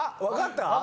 分かった？